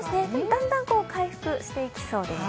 だんだん回復していきそうです。